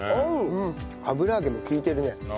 油揚げも利いてるね。